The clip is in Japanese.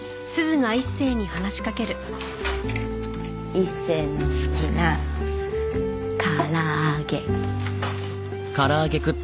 一星の好きなからあげ。